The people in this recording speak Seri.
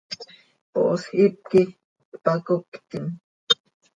¡Poosj hipquih hpacoctim!